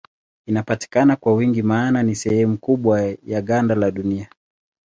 Inapatikana kwa wingi maana ni sehemu kubwa ya ganda la Dunia.